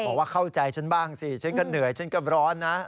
บอกว่าเข้าใจฉันบ้างสิฉันก็เหนื่อยฉันก็ร้อนนะ